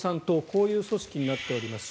こういう組織になっております。